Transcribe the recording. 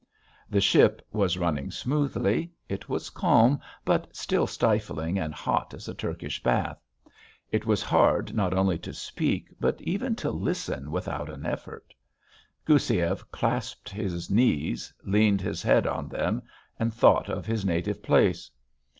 The ship was running smoothly; it was calm but still stifling and hot as a Turkish bath; it was hard not only to speak but even to listen without an effort. Goussiev clasped his knees, leaned his head on them and thought of his native place.